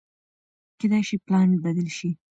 کېدای شي پلان بدل شي.